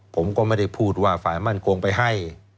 ผมก็ไม่ได้พูดว่าฝ่ายมั่นคงไปให้